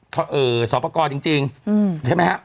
ก็เอ่อสอปกรจริงใช่ไหมครับ